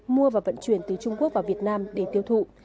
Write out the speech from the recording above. mua và vận chuyển từ trung quốc vào việt nam để tiêu thụ